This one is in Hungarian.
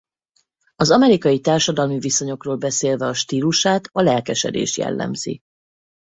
Az amerikai társadalmi viszonyokról beszélve a stílusát a lelkesedés jellemzi.